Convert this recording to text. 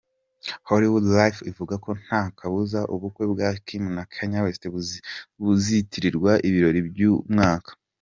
Hollywood Life ivuga ko ntakabuza ubukwe bwa Kim na Kanye buzitirirwa ibirori by’umwaka.